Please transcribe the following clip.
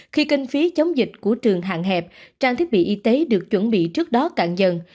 khi kinh phí chống dịch của trường hạn hẹp trang thiết bị y tế được chuẩn bị trước đó càng dần